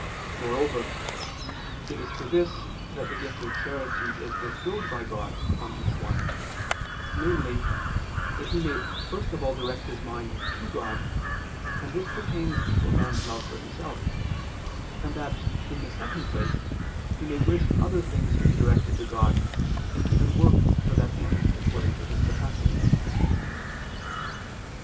Moreover it is for this that the gift of charity is bestowed by God on each one, namely, that he may first of all direct his mind to God, and this pertains to a man's love for himself, and that, in the second place, he may wish other things to be directed to God, and even work for that end according to his capacity.